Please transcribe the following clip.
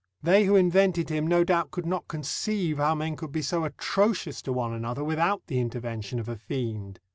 They who invented him no doubt could not conceive how men could be so atrocious to one another, without the intervention of a fiend.